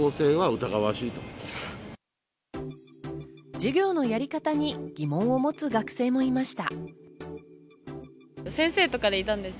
授業のやり方に疑問を持つ学生もいました。